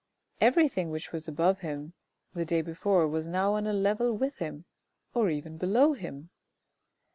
Everything which was above him the day before was now on a level with him or even below him.